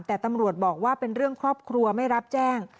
แต่ตำรวจบอกว่าเป็นเรื่องครอบครัวไม่รับแจ้ง